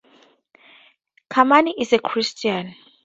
Kaman is a Christian.